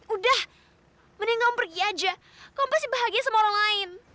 udah mending kamu pergi aja kamu pasti bahagia sama orang lain